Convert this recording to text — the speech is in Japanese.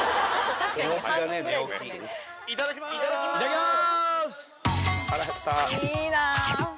いただきます。